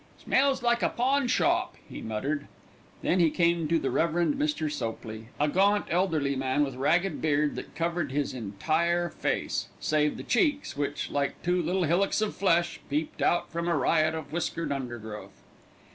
"Smells like a pawn shop," he muttered. Then he came to the Rev. Mr. Sopley, a gaunt, elderly man, with ragged beard that covered his entire face, save the cheeks which, like two little hillocks of flesh, peeped out from a riot of whiskered undergrowth.